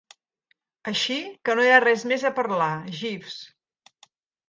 Així que no hi ha res més a parlar, Jeeves.